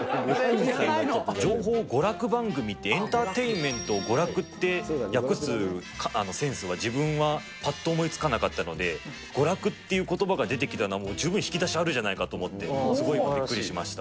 情報娯楽番組って、エンターテインメントを娯楽って訳すセンスは自分はぱっと思いつかなかったので、娯楽っていうことばが出てきたのは、もう十分引き出しあるじゃないかとおもって、すごいびっくりしました。